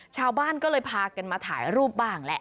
ชาวบ้านก็เลยพากันมาถ่ายรูปบ้างแหละ